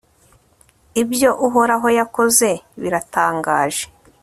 ibyo uhoraho yakoze biratangaje